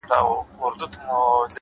ښه ملګری پټه شتمني ده’